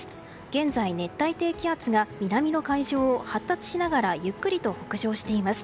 現在、熱帯低気圧が南の海上を発達しながらゆっくりと北上しています。